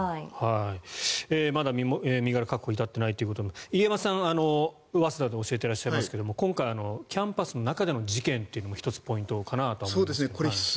まだ身柄確保に至っていないということなので入山さん、早稲田で教えていらっしゃいますが今回、キャンパスの中での事件というのも１つポイントかなと思います。